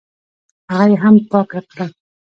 هغه یې هم پاکه کړه.